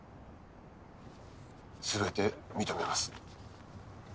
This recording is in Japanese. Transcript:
全て認めます。